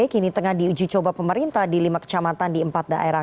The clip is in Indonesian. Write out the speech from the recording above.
kini tengah diuji coba pemerintah di lima kecamatan di empat daerah